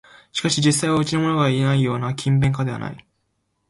しかし実際はうちのものがいうような勤勉家ではない